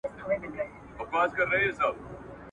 چي ماښام ته ډوډۍ رانیسي پرېمانه ,